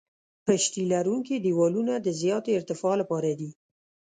پشتي لرونکي دیوالونه د زیاتې ارتفاع لپاره دي